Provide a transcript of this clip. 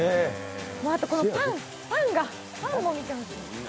あとこのパンが、パンも見てほしい。